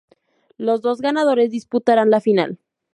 Los dos ganadores disputarán la final.